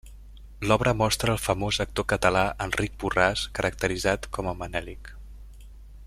L'obra mostra el famós actor català Enric Borràs caracteritzat com a Manelic.